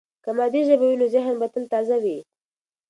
که مادي ژبه وي، نو ذهن به تل تازه وي.